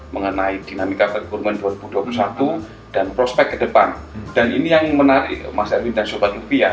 mengenai dinamika perekonomian dua ribu dua puluh satu dan prospek ke depan dan ini yang menarik mas erwin dan sobat rupiah